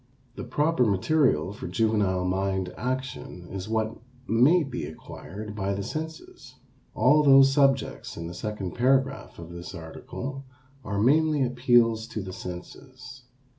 The proper material for juvenile mind action is what may be acquired by the senses. All those subjects in the second paragraph of this article are mainly appeals to the senses.